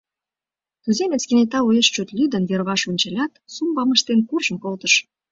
Туземец кенета уэш чот лӱдын, йырваш ончалят, “сумбам” ыштен, куржын колтыш.